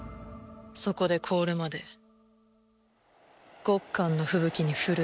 そこで凍るまでゴッカンの吹雪に震えろ。